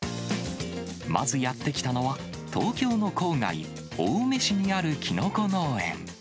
まずやって来たのは、東京の郊外、青梅市にあるキノコ農園。